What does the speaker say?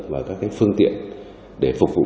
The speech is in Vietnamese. và các phương tiện để phục vụ